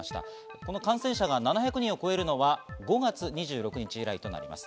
この感染者が７００人を超えるのは５月２６日以来となります。